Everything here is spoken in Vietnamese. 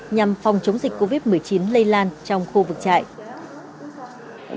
nhằm phòng chống dịch covid một mươi chín lây lan trong khu vực trại